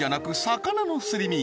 魚のすり身